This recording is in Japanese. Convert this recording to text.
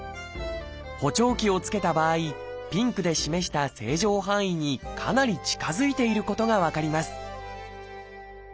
補聴器を着けた場合ピンクで示した正常範囲にかなり近づいていることが分かります